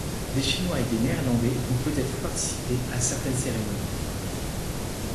Des Chinois et des Néerlandais ont peut-être participé à certaines cérémonies.